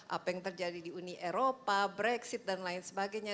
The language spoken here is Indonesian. apa yang terjadi di uni eropa brexit dan lain sebagainya